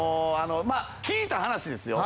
聞いた話ですよ。